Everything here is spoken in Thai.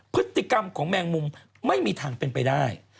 พฤติกรรมของแมงมุมไม่มีทางเป็นไปได้